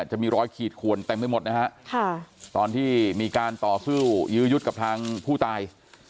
จะมีรอยขีดขวนเต็มไปหมดนะฮะตอนที่มีการต่อสู้ยื้อยุดกับทางผู้ตาย